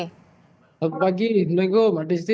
selamat pagi assalamualaikum adisti